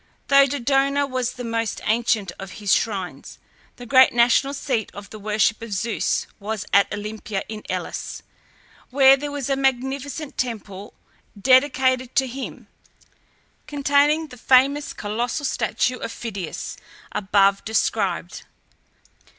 Though Dodona was the most ancient of his shrines, the great national seat of the worship of Zeus was at Olympia in Elis, where there was a magnificent temple dedicated to him, containing the famous colossal statue by Phidias above described.